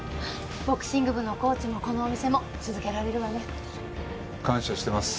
ボクシング部のコーチもこのお店も続けられるわね。感謝してます。